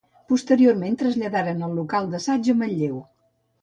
Posteriorment traslladaren el local d'assaig a Manlleu.